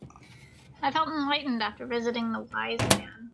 I felt enlightened after visiting the wise man.